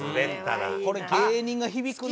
これ芸人が響くな。